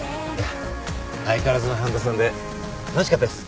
相変わらずの半田さんで楽しかったです。